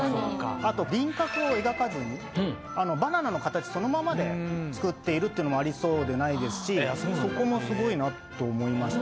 あと輪郭を描かずにバナナの形そのままで作っているっていうのもありそうでないですしそこもすごいなと思いました。